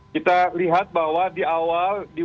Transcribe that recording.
kita lihat bahwa di awal